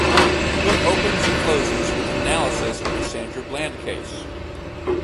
The book opens and closes with an analysis of the Sandra Bland case.